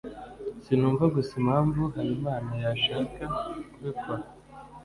sinumva gusa impamvu habimana yashaka kubikora